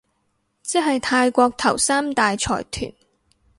即係泰國頭三大財團